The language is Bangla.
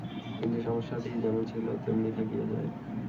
কিন্তু সমস্যাটি যেমন ছিল, তেমনি থাকিয়া যায়।